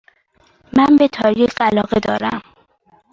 من به تاریخ علاقه دارم.